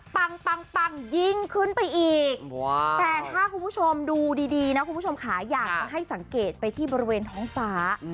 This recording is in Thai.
ยิ่งขึ้นไปอีกแต่ถ้าคุณผู้ชมดูดีนะคุณผู้ชมค่ะอยากจะให้สังเกตไปที่บริเวณท้องฟ้า